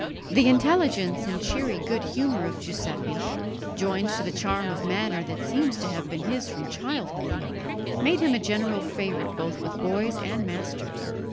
The intelligence and cheery good humour of Giuseppe, joined to the charm of manner that seems to have been his from childhood, soon made him a general favourite both with boys and masters.